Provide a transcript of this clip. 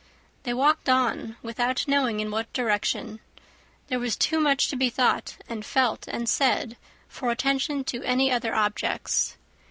They walked on without knowing in what direction. There was too much to be thought, and felt, and said, for attention to any other objects.